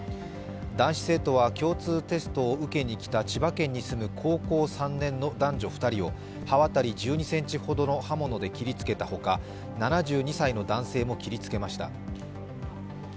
男子生徒は共通テストを受けに来た千葉県に住む高校３年の男女２人を刃渡り１２ｃｍほどの刃物で切りつけたほか７２歳の男性も切りつけました。